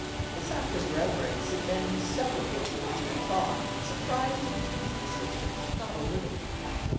This act of reverence in men who seldom gave religion a thought surprised and pleased the Sisters not a little.